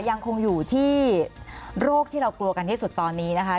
ยังคงอยู่ที่โรคที่เรากลัวกันที่สุดตอนนี้นะคะ